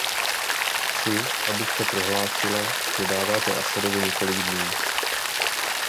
Chci, abyste prohlásila, že dáváte Asadovi několik dnů.